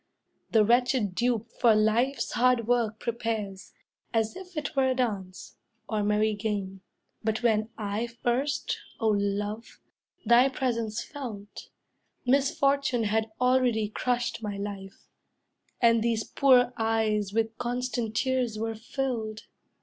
The wretched dupe for life's hard work prepares, As if it were a dance, or merry game. But when I first, O love, thy presence felt, Misfortune had already crushed my life, And these poor eyes with constant tears were filled.